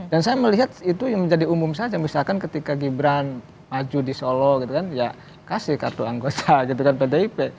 dan saya melihat itu yang menjadi umum saja misalkan ketika gibran maju di solo gitu kan ya kasih kartu anggota gitu kan pada ip